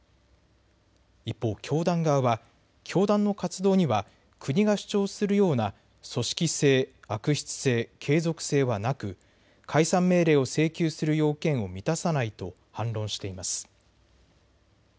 一方、教団側は教団の活動には国が主張するような組織性、悪質性、継続性はなく解散命令を請求する要件を満たさないと反論しています。